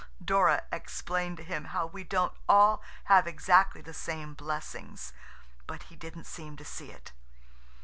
Dora explained to him how we don't all have exactly the same blessings, but he didn't seem to see it.